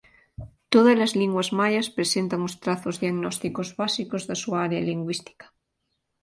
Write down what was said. Tódalas linguas maias presentan os trazos diagnósticos básicos da súa área lingüística.